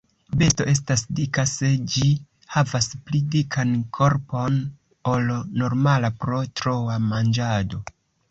Besto estas dika se ĝi havas pli dikan korpon ol normala pro troa manĝado.